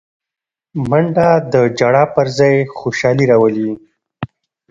منډه د ژړا پر ځای خوشالي راولي